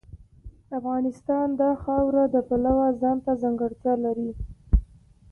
افغانستان د خاوره د پلوه ځانته ځانګړتیا لري.